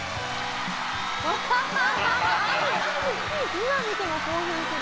今見ても興奮する。